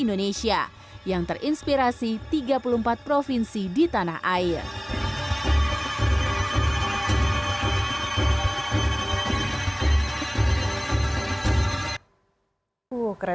indonesia yang terinspirasi tiga puluh empat provinsi di tanah air